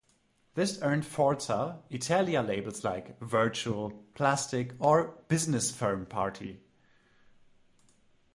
This earned Forza Italia labels like "virtual", "plastic" or "business-firm party".